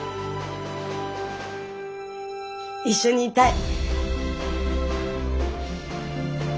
一緒にいたい。